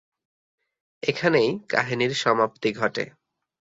এখানেই কাহিনীর সমাপ্তি ঘটে।